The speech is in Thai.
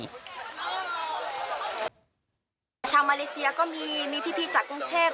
ชาวมาเลเซียก็มีพี่จากกรุงเทพ